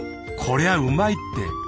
こりゃうまいって。